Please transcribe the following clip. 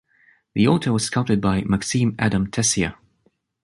The altar was sculpted by Maxime Adam Tessier.